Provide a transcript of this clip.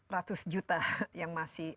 ratus juta yang masih